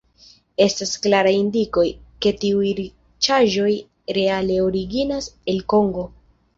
Estas klaraj indikoj, ke tiuj riĉaĵoj reale originas el Kongo.